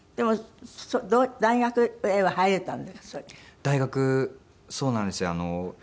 大学そうなんです。